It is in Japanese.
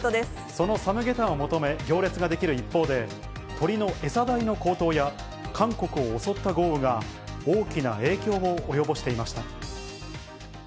そのサムゲタンを求め、行列が出来る一方で、鶏の餌代の高騰や、韓国を襲った豪雨が、大きな影響を及ぼしていました。